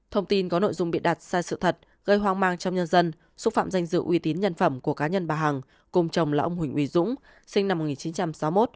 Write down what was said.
thông tin có nội dung bị đặt sai sự thật gây hoang mang trong nhân dân xúc phạm danh dự uy tín nhân phẩm của cá nhân bà hằng cùng chồng là ông huỳnh uy dũng sinh năm một nghìn chín trăm sáu mươi một